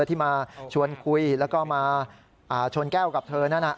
ที่มาชวนคุยแล้วก็มาชนแก้วกับเธอนั่น